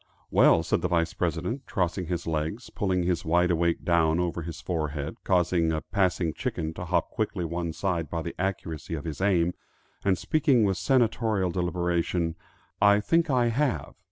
"Well," said the Vice President, crossing his legs, pulling his wide awake down over his forehead, causing a passing chicken to hop quickly one side by the accuracy of his aim, and speaking with senatorial deliberation, "I think I have.